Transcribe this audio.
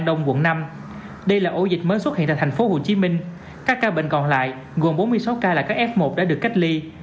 đây là ổ dịch mới xuất hiện tại tp hcm các ca bệnh còn lại gồm bốn mươi sáu ca là các f một đã được cách ly